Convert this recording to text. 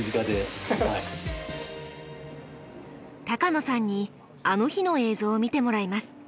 高野さんに「あの日」の映像を見てもらいます。